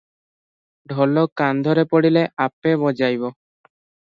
ଢୋଲ କାନ୍ଧରେ ପଡିଲେ ଆପେ ବଜାଇବ ।"